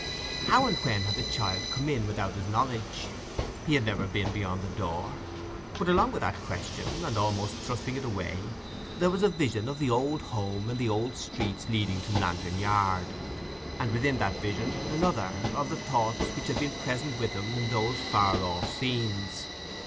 How and when had the child come in without his knowledge? He had never been beyond the door. But along with that question, and almost thrusting it away, there was a vision of the old home and the old streets leading to Lantern Yard—and within that vision another, of the thoughts which had been present with him in those far off scenes.